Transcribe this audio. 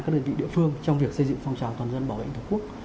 các đơn vị địa phương trong việc xây dựng phong trào toàn dân bảo vệ an ninh tổ quốc